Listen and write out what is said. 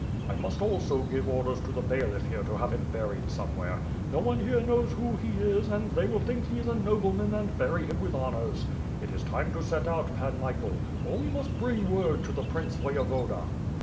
I must also give orders to the bailiff here to have him buried somewhere. No one here knows who he is, iind they will think he is a nobleman and bury him with honors. It is time to set out. Pan Michael, for we must bring word to the Prince Voyevoda.